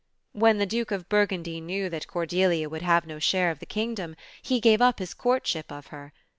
When the Duke of Burgundy knew that Cordelia would have no share of the kingdom, he gave up his courtship of her.